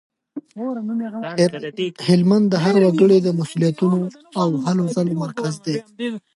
هلمند د هر وګړي د مسولیتونو او هلو ځلو مرکز دی.